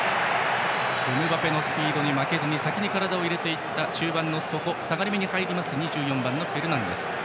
エムバペのスピードに負けずに先に体を入れていった中盤の底下がりめに入る２４番、フェルナンデス。